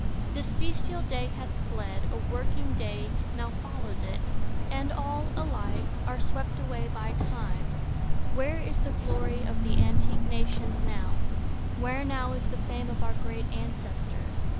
This festal day Hath fled; a working day now follows it, And all, alike, are swept away by Time. Where is the glory of the antique nations now? Where now the fame of our great ancestors?